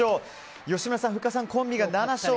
吉村さん、ふっかさんコンビが７勝。